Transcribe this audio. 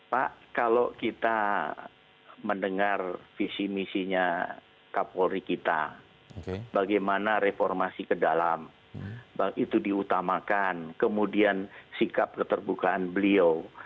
pak kalau kita mendengar visi misinya kapolri kita bagaimana reformasi ke dalam itu diutamakan kemudian sikap keterbukaan beliau